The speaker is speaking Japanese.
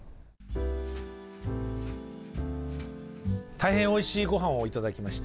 大変おいしいごはんをいただきまして。